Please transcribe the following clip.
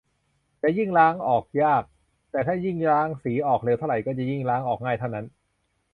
จะยิ่งล้างออกยาก แต่ถ้ายิ่งล้างสีออกเร็วเท่าไร ก็จะยิ่งล้างออกง่ายเท่านั้น